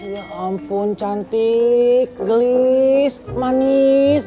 ya ampun cantik gelis manis